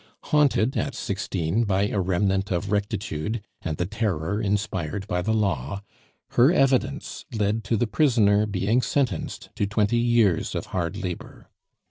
Haunted at sixteen by a remnant of rectitude, and the terror inspired by the law, her evidence led to the prisoner being sentenced to twenty years of hard labor.